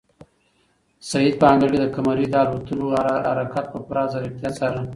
سعید په انګړ کې د قمرۍ د الوتلو هر حرکت په پوره ځیرکتیا څاره.